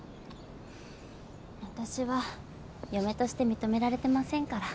私は嫁として認められてませんから。